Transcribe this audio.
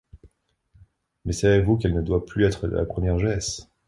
Mais savez-vous qu’elle ne doit plus être de la première jeunesse!